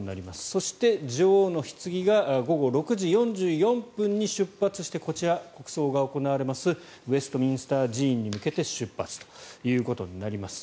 そして、女王のひつぎが午後６時４４分に出発してこちら、国葬が行われますウェストミンスター寺院に向けて出発ということになります。